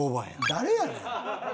誰やねん。